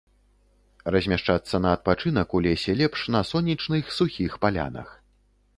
Размяшчацца на адпачынак у лесе лепш на сонечных, сухіх палянах.